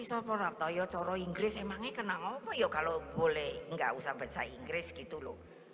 bisa porak toyo coro inggris emangnya kenal apa yo kalau boleh nggak usah besok inggris gitu loh